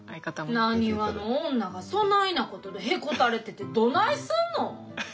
なにわの女がそないなことでへこたれててどないすんの。